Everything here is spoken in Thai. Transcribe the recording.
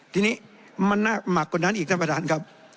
ทีนี้มันหนักกว่านั้นอีกท่านประธานครับ